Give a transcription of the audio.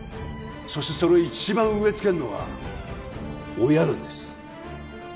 そしてそれを一番植えつけるのは親なんです